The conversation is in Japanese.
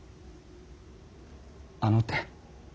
あの手？